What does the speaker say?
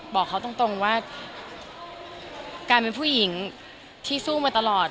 บอกเขาตรงว่าการเป็นผู้หญิงที่สู้มาตลอด